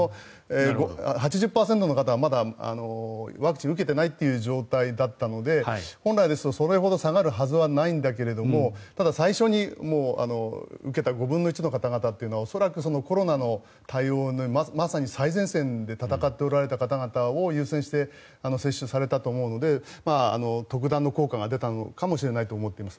８０％の方はまだワクチンを受けていないという状態だったので本来ですとそれほど下がるはずはないんですけどもただ、最初に受けた５分の１の方々というのは恐らくコロナの対応のまさに最前線で闘っておられた方々を優先して接種されたと思うので特段の効果が出たのかもしれないと思っています。